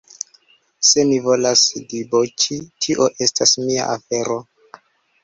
Se mi volas diboĉi, tio estas mia afero.